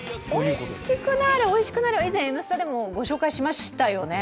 おいしくなーれ、おいしくなーれは以前、「Ｎスタ」でもご紹介しましたよね。